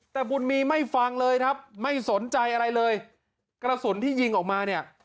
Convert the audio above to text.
แต่บุญมีไม่ฟังเลยครับไม่สนใจอะไรเลยกระสุนที่ยิงออกมาเนี่ย